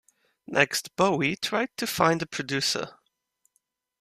Next Bowie tried to find a producer.